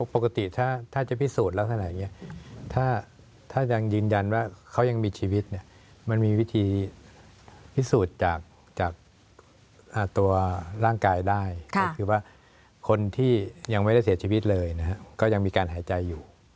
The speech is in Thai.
ปกติถ้าจะพิสูจน์ลักษณะอย่างนี้ถ้ายังยืนยันว่าเขายังมีชีวิตเนี่ยมันมีวิธีพิสูจน์จากตัวร่างกายได้ก็คือว่าคนที่ยังไม่ได้เสียชีวิตเลยนะครับก็ยังมีการหายใจอยู่